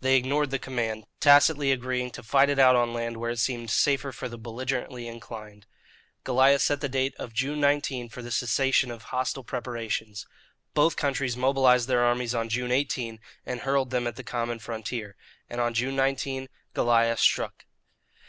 They ignored the command, tacitly agreeing to fight it out on land where it seemed safer for the belligerently inclined. Goliah set the date of June 19 for the cessation of hostile preparations. Both countries mobilized their armies on June 18, and hurled them at the common frontier. And on June 19, Goliah struck.